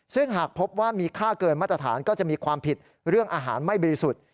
ซึ่งหากพบว่ามีค่าเกินมาตรฐานก็จะมีความผิดเรื่องอาหารไม่บริสุทธิ์